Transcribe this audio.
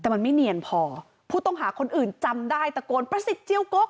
แต่มันไม่เนียนพอผู้ต้องหาคนอื่นจำได้ตะโกนประสิทธิ์เจียวกก